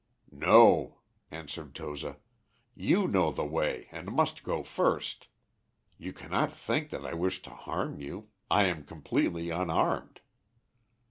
"No," answered Toza; "you know the way, and must go first. You cannot think that I wish to harm you I am completely unarmed.